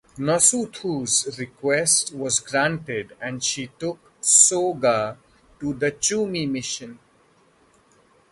Nosuthu's request was granted and she took Soga to the Chumie Mission.